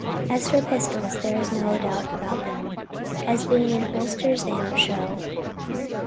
As for the pistols, there is no doubt about them, as being in the holsters they don't show.